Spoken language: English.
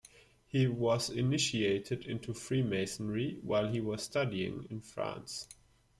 He was initiated into Freemasonry while he was studying in France.